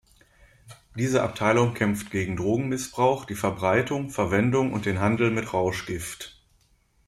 Diese Abteilung kämpft gegen Drogenmissbrauch, die Verbreitung, Verwendung und den Handel mit Rauschgift.